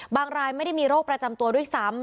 รายไม่ได้มีโรคประจำตัวด้วยซ้ำ